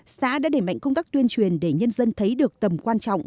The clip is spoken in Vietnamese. xã đã để mạnh công tác tuyên truyền để nhân dân thấy được tầm quan trọng